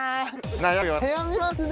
悩みますね。